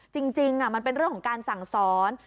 จริงมันเป็นเรื่องของการสั่งสอน